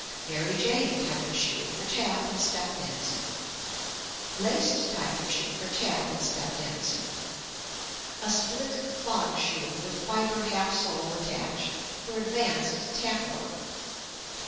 "MARY JANE" TYPE OF SHOE FOR TAP AND STEP DANCING. LACED TYPE OF SHOE FOR TAP AND STEP DANCING. A SPLIT CLOG SHOE WITH FIBER HALF SOLE ATTACHED, FOR ADVANCED "TAP" WORK.